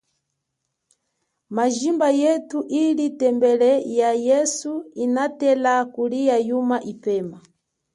Mijimba yethu ili tembele ya yesu inatela kulia yuma ipema.